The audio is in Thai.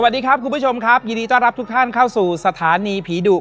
สวัสดีครับคุณผู้ชมครับยินดีต้อนรับทุกท่านเข้าสู่สถานีผีดุ